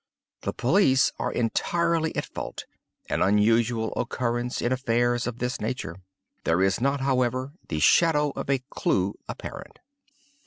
The police are entirely at fault—an unusual occurrence in affairs of this nature. There is not, however, the shadow of a clew apparent."